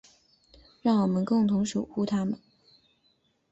让我们共同守护她们。